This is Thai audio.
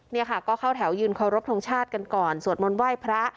นี่ค่ะก็เข้าแถวยืนเคารพทงชาติกันก่อนสวดมนต์ไหว้พระ